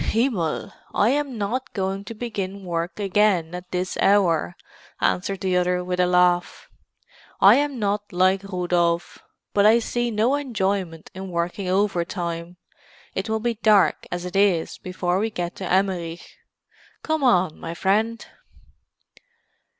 "Himmel! I am not going to begin work again at this hour," answered the other with a laugh. "I am not like Rudolf, but I see no enjoyment in working overtime; it will be dark, as it is, before we get to Emmerich. Come on, my friend."